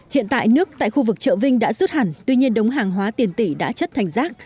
hiện tại nước tại khu vực chợ vinh đã rút hẳn tuy nhiên đống hàng hóa tiền tỷ đã chất thành rác